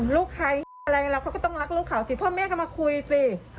ลูกใครอะไรเราเขาก็ต้องรักลูกเขาสิพ่อแม่ก็มาคุยสิ